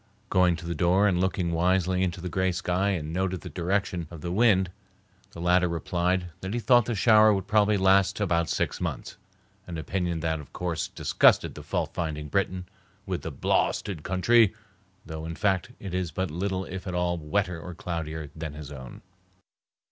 Going to the door and looking wisely into the gray sky and noting the direction of the wind, the latter replied that he thought the shower would probably last about six months, an opinion that of course disgusted the fault finding Briton with the "blawsted country," though in fact it is but little if at all wetter or cloudier than his own.